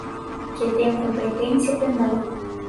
que tenham competência penal;